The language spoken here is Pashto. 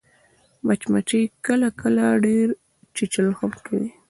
مچمچۍ کله کله ډېر چیچل هم کوي